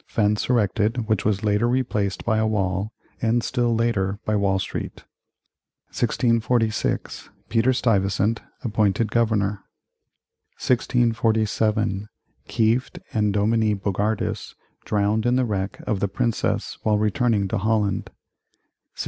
Fence erected, which was later replaced by a wall, and still later by Wall Street 1646. Peter Stuyvesant appointed Governor 1647. Kieft and Dominie Bogardus drowned in the wreck of the Princess while returning to Holland 1652.